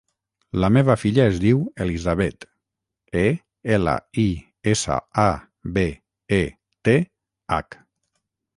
La meva filla es diu Elisabeth: e, ela, i, essa, a, be, e, te, hac.